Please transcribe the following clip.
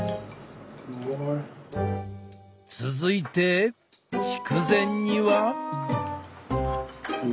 続いて筑前煮は？